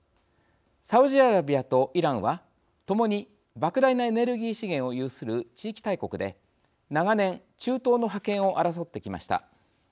サウジアラビアとイランは共にばく大なエネルギー資源を有する地域大国で長年中東の覇権を争ってきました。